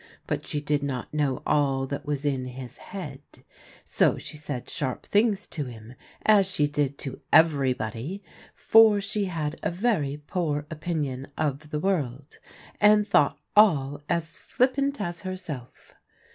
But she did not know all that was in his 2o8 THE LANE THAT HAD NO TURNING ■ head ; so she said sharp things to him, as she did to everybody, for she had a very poor opinion of the world, and thought all as flippant as herself.